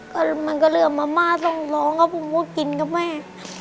ก็มันก็เริ่มมาม่าต้องร้องครับผมก็กินกับแม่